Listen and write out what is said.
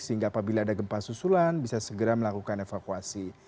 sehingga apabila ada gempa susulan bisa segera melakukan evakuasi